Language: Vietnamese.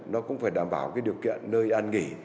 nó cũng phải đảm bảo cái điều kiện nơi an nghỉ